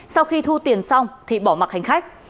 sau khi thu tiền xong thì bỏ mặt hành khách